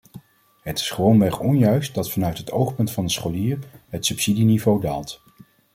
Het is gewoonweg onjuist dat vanuit het oogpunt van de scholier het subsidieniveau daalt.